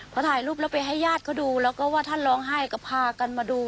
พอถ่ายรูปแล้วไปให้ญาติเขาดูแล้วก็ว่าท่านร้องไห้ก็พากันมาดู